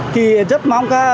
thì rất mong